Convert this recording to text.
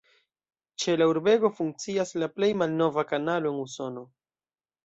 Ĉe la urbego funkcias la plej malnova kanalo en Usono.